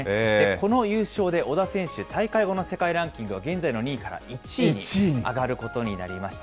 この優勝で小田選手、大会後の世界ランキングは、現在の２位から１位に上がることになりました。